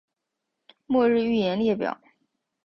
末日预言列表